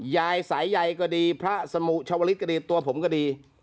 ยายสายใยก็ดีพระสมุชาวลิศก็ดีตัวผมก็ดี